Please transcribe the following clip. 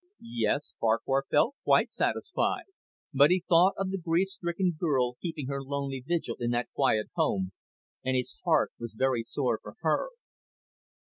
Yes, Farquhar felt quite satisfied. But he thought of the grief stricken girl keeping her lonely vigil in that quiet home, and his heart was very sore for her.